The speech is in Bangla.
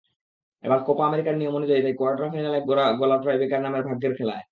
এবারের কোপা আমেরিকার নিয়মানুযায়ী তাই কোয়ার্টার ফাইনাল গড়াল টাইব্রেকার নামের ভাগ্যের খেলায়।